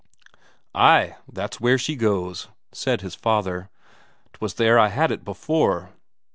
"Ay, that's where she goes," said his father. "'Twas there I had it before."